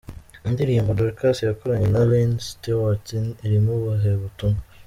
Indirimbo Dorcas yakoranye na Iain Stewart irimo ubuhe butumwa ?.